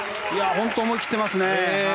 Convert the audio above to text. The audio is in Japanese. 本当思い切ってますね。